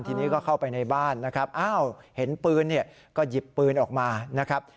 ทีนี้ก็เข้าไปในบ้านนะครับอ้าวเห็นปืนเนี่ยก็หยิบปืนออกมานะครับ